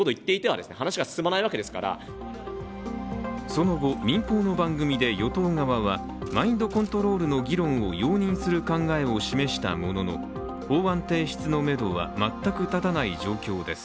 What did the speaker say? その後、民放の番組で与党側はマインドコントロールの議論を容認する考えを示したものの法案提出のめどは全く立たない状況です。